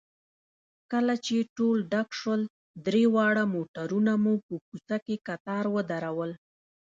کله چې ټول ډک شول، درې واړه موټرونه مو په کوڅه کې کتار ودرول.